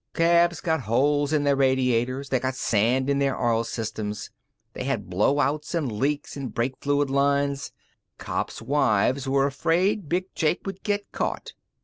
Cabs got holes in their radiators. They got sand in their oil systems. They had blowouts an' leaks in brake fluid lines. Cops' wives were afraid Big Jake would get caught.